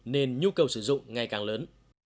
nên nhu cầu sử dụng ngày càng lớn